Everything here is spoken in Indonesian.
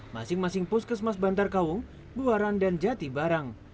masing masing puskesmas bantar kaung buaran dan jati barang